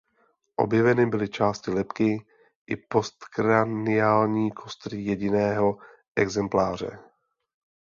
Objeveny byly části lebky i postkraniální kostry jediného exempláře.